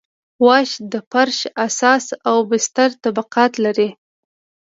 واش د فرش اساس او بستر طبقات لري